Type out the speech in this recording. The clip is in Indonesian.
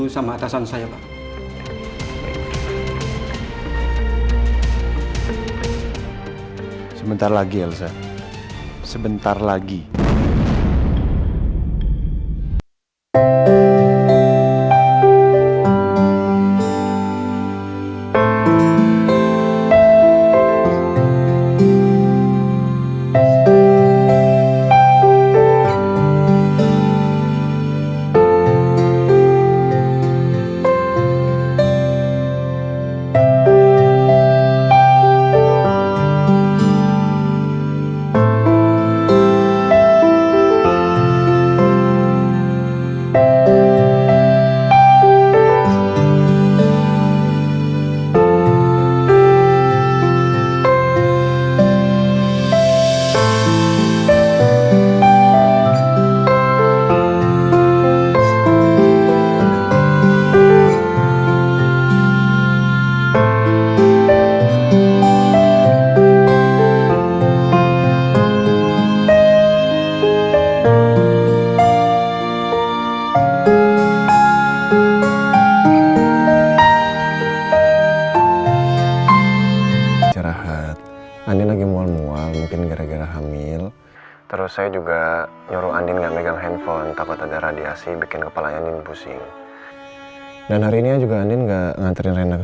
sampai jumpa di video selanjutnya